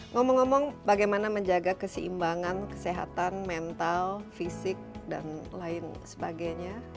ngomong ngomong bagaimana menjaga keseimbangan kesehatan mental fisik dan lain sebagainya